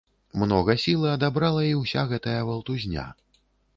Многа сілы адабрала і ўся гэтая валтузня.